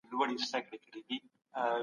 دغه کړنه په بشپړه توګه ناسمه وه.